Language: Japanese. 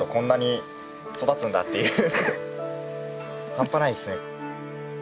半端ないっすね。